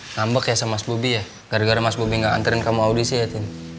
ngambek ya sama mas bobi ya gara gara mas bobi nggak antren kamu audisi ya tim